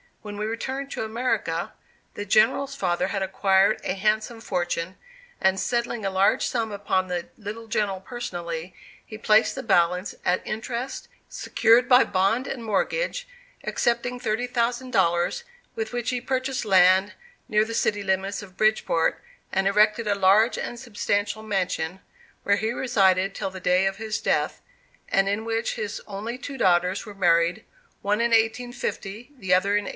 When we returned to America, the General's father had acquired a handsome fortune, and settling a large sum upon the little General personally, he placed the balance at interest, secured by bond and mortgage, excepting thirty thousand dollars, with which he purchased land near the city limits of Bridgeport, and erected a large and substantial mansion, where he resided till the day of his death, and in which his only two daughters were married, one in 1850, the other in 1853.